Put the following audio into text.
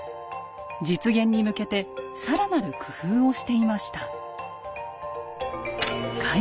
実現に向けてさらなる工夫をしていました。